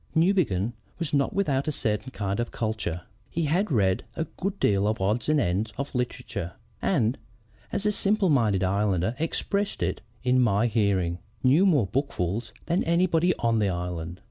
"Newbegin was not without a certain kind of culture. He had read a good deal of the odds and ends of literature and, as a simple minded islander expressed it in my hearing, knew more bookfuls than anybody on the island.